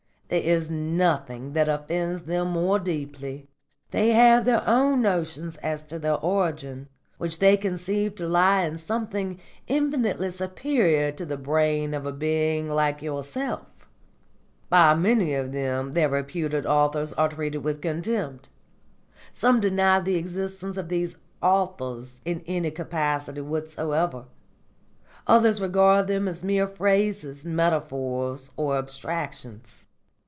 There is nothing that offends them more deeply. They have their own notions as to their origin, which they conceive to lie in something infinitely superior to the brain of a being like yourself. By many of them their reputed authors are treated with contempt; some deny the existence of these 'authors' in any capacity whatsoever; others regard them as mere phrases, metaphors, or abstractions.